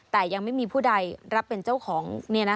แต่ยังไม่มีผู้ใดรับเป็นเจ้าของ